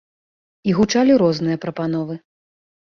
І гучалі розныя прапановы.